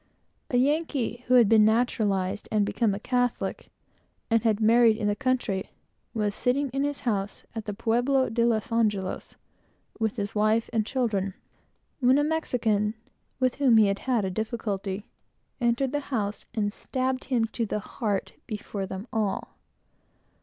A Yankee, who had been naturalized, and become a Catholic, and had married in the country, was sitting in his house at the Pueblo de los Angelos, with his wife and children, when a Spaniard, with whom he had had a difficulty, entered the house, and stabbed him to the heart before them all.